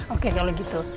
oke kalau gitu